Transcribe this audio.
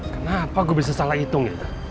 kenapa gue bisa salah hitung